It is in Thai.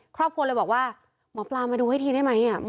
ครอบครัวเลยบอกว่าหมอปลามาดูให้ทีได้ไหม